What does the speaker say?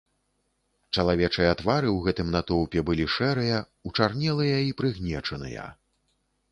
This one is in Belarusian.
Чалавечыя твары ў гэтым натоўпе былі шэрыя, учарнелыя і прыгнечаныя.